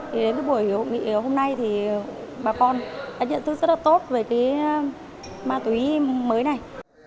thì đến buổi hội nghị hôm nay thì bà con đã nhận thức rất là tốt về cái ma túy mới này